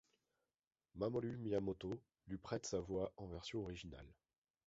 Mamoru Miyano lui prête sa voix en version originale.